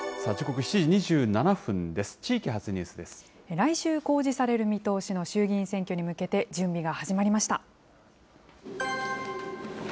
来週公示される見通しの衆議院選挙に向けて、準備が始まりました。